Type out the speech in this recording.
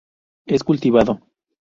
Es cultivado.